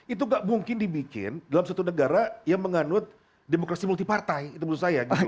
itu gak mungkin dibikin dalam suatu negara yang menganut demokrasi multi partai itu menurut saya